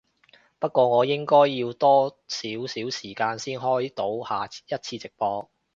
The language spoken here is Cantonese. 不過我應該要多少少時間先開到下一次直播